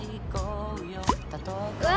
うわ！